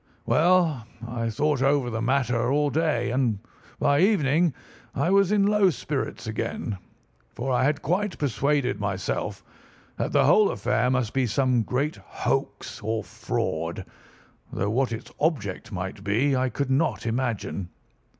"Well, I thought over the matter all day, and by evening I was in low spirits again; for I had quite persuaded myself that the whole affair must be some great hoax or fraud, though what its object might be I could not imagine.